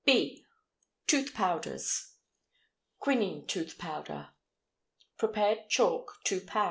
B. Tooth Powders. QUININE TOOTH POWDER. Prepared chalk 2 lb.